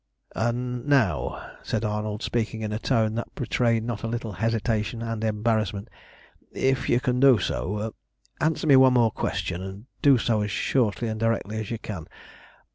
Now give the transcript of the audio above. "And, now," said Arnold, speaking in a tone that betrayed not a little hesitation and embarrassment, "if you can do so, answer me one more question, and do so as shortly and directly as you can.